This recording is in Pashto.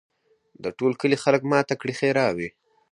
د ټول کلي خلک ماته کړي ښراوي